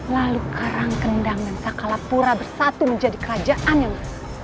lalu karang kendang dan sakala pura bersatu menjadi kakak